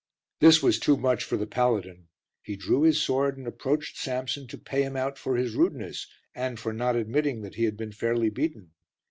This was too much for the paladin; he drew his sword and approached Samson to pay him out for his rudeness and for not admitting that he had been fairly beaten.